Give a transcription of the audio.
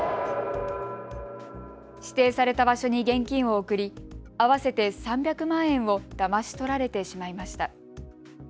指定された場所に現金を送り合わせて３００万円をだまし取られてしまいました。